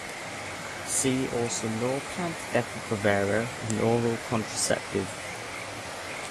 See also Norplant, Depo-Provera and oral contraceptive.